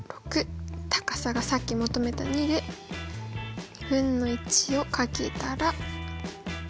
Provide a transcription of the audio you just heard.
高さがさっき求めた２で２分の１を掛けたら６。